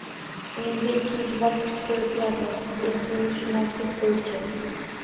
Endi ikkinchi bosqichga o‘tyapmiz – o‘simlikshunoslik bo‘yicha